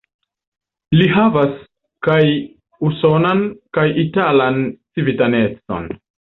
Li havas kaj usonan kaj italan civitanecon.